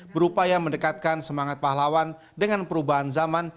berupaya mendekatkan semangat pahlawan dengan perubahan zaman